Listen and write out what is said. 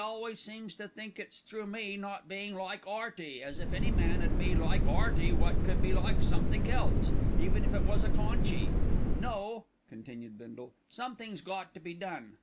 always seems to think it's through me not being like 'Earty, as if any man 'ud be like 'Earty wot could be like somethink else, even if it was a conchie. No," continued Bindle, "somethink's got to be done.